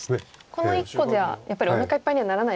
この１個じゃやっぱりおなかいっぱいにはならないですね。